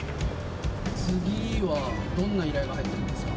次はどんな依頼が入ってますか。